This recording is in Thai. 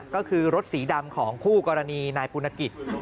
ก็คือรถสีดำของคู่กรณีนายปุณกิจ